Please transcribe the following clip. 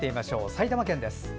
埼玉県です。